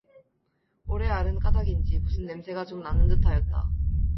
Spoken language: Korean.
오래 앓은 까닭인지 무슨 냄새가 좀 나는 듯하였다.